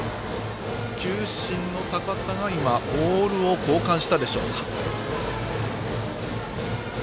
球審の高田が今ボールを交換したでしょうか。